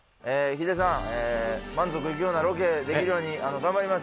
ヒデさん、満足いくようなロケできるように頑張ります。